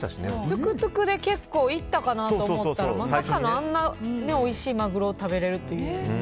トゥクトゥクで結構行ったかなと思ったらまさかのあんなおいしいマグロを食べれるっていう。